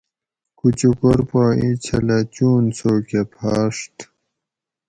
کُچُکور پا ایں چھلہ چون سو کہ پھاڛت